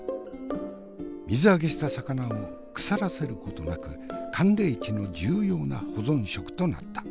水揚げした魚を腐らせることなく寒冷地の重要な保存食となった。